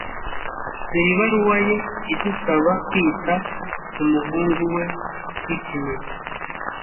Dore ibaruwa ye idusaba kwita ku muhungu we w'ikinege.